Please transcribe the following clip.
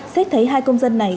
xét thấy hai công dân này